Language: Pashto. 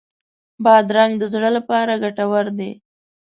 بادرنګ د زړه لپاره ګټور دی.